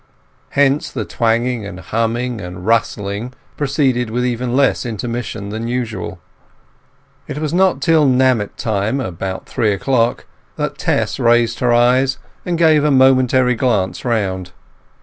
Hence the twanging and humming and rustling proceeded with even less intermission than usual. It was not till "nammet" time, about three o'clock, that Tess raised her eyes and gave a momentary glance round.